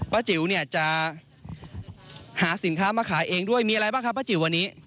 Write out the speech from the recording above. จิ๋วเนี่ยจะหาสินค้ามาขายเองด้วยมีอะไรบ้างครับป้าจิ๋ววันนี้